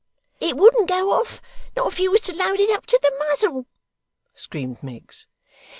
'It wouldn't go off, not if you was to load it up to the muzzle,' screamed Miggs.